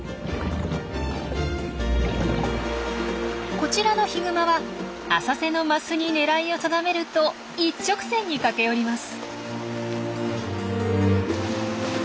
こちらのヒグマは浅瀬のマスに狙いを定めると一直線に駆け寄ります。